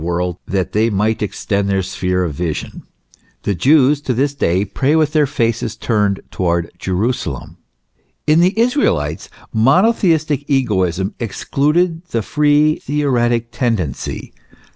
world that they might extend their sphere of vision ; the Jews to this day pray with their faces turned towards Jerusalem. In the Israelites, monotheistic egoism excluded the free theoretic tendency.